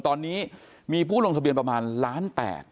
ตอนนี้มีผู้ลงทะเบียนประมาณล้าน๘